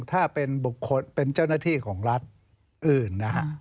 ถ้าเป็นบุคคลเป็นเจ้าหน้าที่ของรัฐอื่นนะฮะ